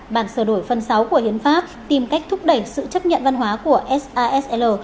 bản sửa đổi phần sáu của hiến pháp tìm cách thúc đẩy sự chấp nhận văn hóa của sasl